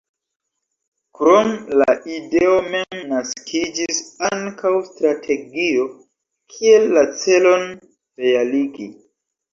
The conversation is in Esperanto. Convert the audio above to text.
Krom la ideo mem naskiĝis ankaŭ strategio kiel la celon realigi.